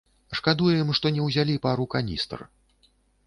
Шкадуем, што не ўзялі пару каністр.